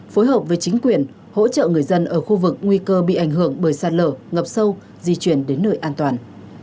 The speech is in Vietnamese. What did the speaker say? phối hợp với chính quyền hỗ trợ người dân ở khu vực nguy cơ bị ảnh hưởng bởi sạt lở ngập sâu di chuyển đến nơi an toàn